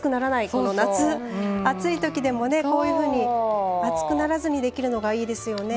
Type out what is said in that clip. この夏暑いときでもねこういうふうに暑くならずにできるのがいいですよね。